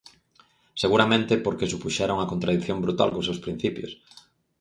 Seguramente porque supuxera unha contradición brutal cos seus principios.